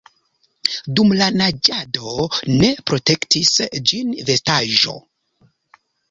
Dum la naĝado ne protektis ĝin vestaĵo.